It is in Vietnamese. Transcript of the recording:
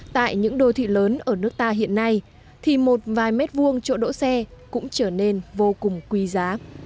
tại những đô thị lớn ở nước ta hiện nay thì một vài mét vuông chỗ đỗ xe cũng trở nên vô cùng quý giá